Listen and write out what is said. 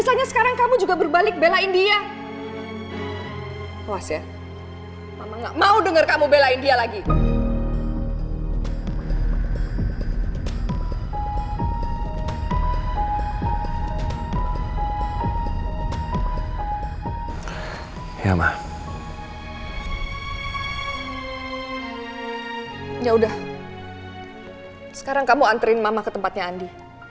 sekarang kamu anterin mama ke tempatnya andi